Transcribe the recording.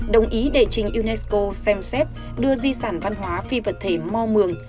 đồng ý để trình unesco xem xét đưa di sản văn hóa phi vật thể mò mường